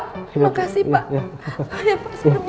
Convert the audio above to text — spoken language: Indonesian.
terima kasih pak